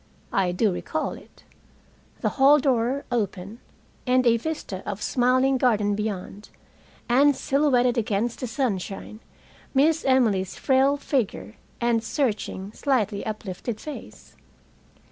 I do recall it the hall door open and a vista of smiling garden beyond, and silhouetted against the sunshine, Miss Emily's frail figure and searching, slightly uplifted face.